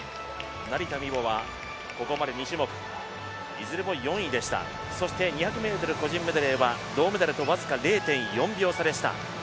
成田実生は、ここまで２種目いずれも４位でした、そして２００ｍ個人メドレーは銅メダルと僅か０．４秒差でした。